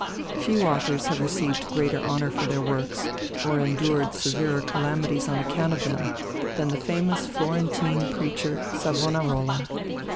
Few authors have received greater honour for their works, or endured severer calamities on account of them, than the famous Florentine preacher Savonarola.